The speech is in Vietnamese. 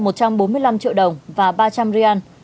một trăm bốn mươi năm triệu đồng và ba trăm linh rian